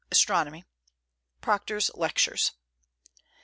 Astronomy; Proctor's Lectures.